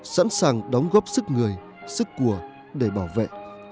sẵn sàng đóng góp sức người sức của để bảo vệ